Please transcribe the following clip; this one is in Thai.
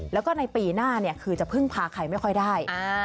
แล้วก็ในปีหน้าคือจะพึ่งพาใครไม่ค่อยได้